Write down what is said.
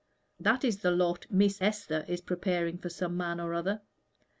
That is the lot Miss Esther is preparing for some man or other.